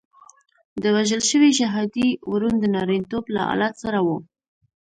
د وژل شوي شهادي ورون د نارینتوب له آلت سره وو.